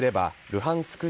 ルハンスク